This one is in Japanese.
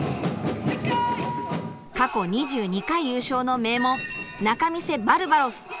過去２２回優勝の名門仲見世バルバロス。